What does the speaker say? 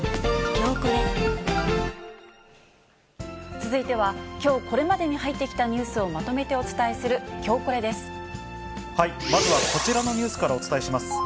続いては、きょう、これまでに入ってきたニュースをまとめてお伝えする、きょうコレまずはこちらのニュースからお伝えします。